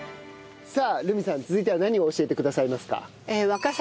さあ留美さん続いては何を教えてくださいますか？